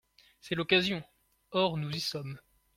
C’est l’occasion ! Or nous y sommes.